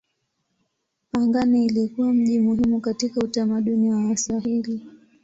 Pangani ilikuwa mji muhimu katika utamaduni wa Waswahili.